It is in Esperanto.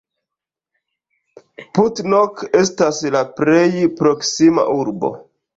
Putnok estas la plej proksima urbo.